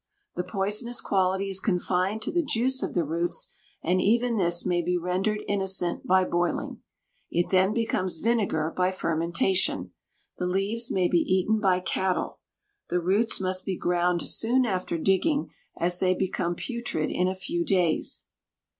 The poisonous quality is confined to the juice of the roots, and even this may be rendered innocent by boiling. It then becomes vinegar by fermentation. The leaves may be eaten by cattle. The roots must be ground soon after digging, as they become putrid in a few days.